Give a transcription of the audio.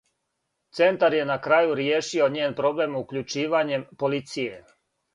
Центар је на крају ријешио њен проблем укључивањем полиције.